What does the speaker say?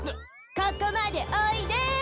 ここまでおいで！